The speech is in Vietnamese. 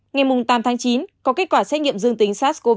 ngày tám tháng chín có kết quả xét nghiệm dương tính sars cov hai